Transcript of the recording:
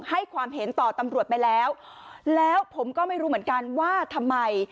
ให้ความเห็นต่อตำรวจไปแล้วแล้วผมก็ไม่รู้เหมือนกันว่าทำไม